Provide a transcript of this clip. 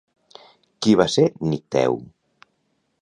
Qui va ser Nicteu?